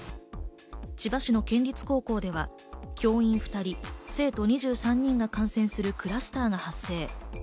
千葉市の県立高校では教員２人、生徒２３人が感染するクラスターが発生。